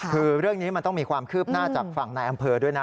คือเรื่องนี้มันต้องมีความคืบหน้าจากฝั่งนายอำเภอด้วยนะ